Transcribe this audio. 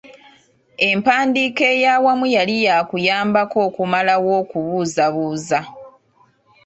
Empandiika ey’awamu yali yaakuyambako okumalawo okubuzaabuza.